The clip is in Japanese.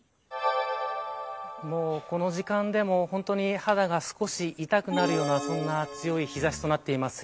この時間でも、本当に肌が少し痛くなるようなそんな強い日差しとなっています。